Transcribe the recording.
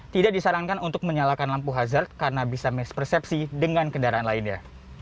tidak disarankan untuk menyalakan lampu hazard karena bisa mispersepsi dengan kendaraan lainnya